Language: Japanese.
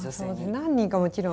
何人かもちろん。